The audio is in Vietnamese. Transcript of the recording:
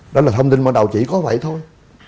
đó là thông tin ban đầu chỉ có vậy thôi